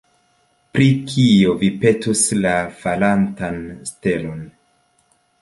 Pri kio vi petus la falantan stelon?